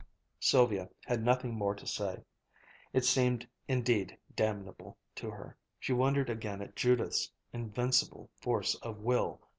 Sylvia had nothing more to say. It seemed indeed damnable to her. She wondered again at Judith's invincible force of will.